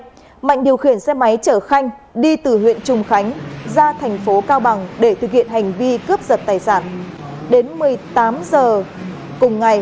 đến một mươi tám h cùng ngày mạnh điều khiển xe máy chở khanh đi từ huyện trùng khánh ra thành phố cao bằng để thực hiện hành vi cướp giật tài sản